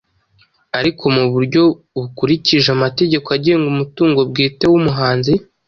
ariko mu buryo bukurikije amategeko agenga umutungo bwite w'umuhanzi